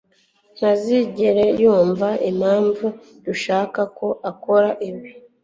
ntazigera yumva impamvu dushaka ko akora ibi.